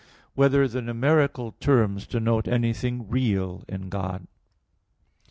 3] Whether the Numeral Terms Denote Anything Real in God?